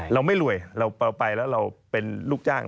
เราไม่รวยเราไปแล้วเราเป็นลูกจ้าง